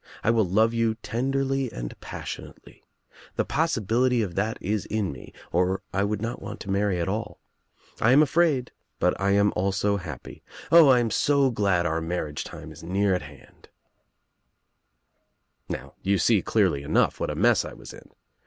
I will love you tenderly and passionately. The possibility of that is in me or 1 would not want to marry at all. I am afraid but I am also happy. O, I am so glad our marriage time is near at hand I' "Now you see clearly enough what a mess I was in.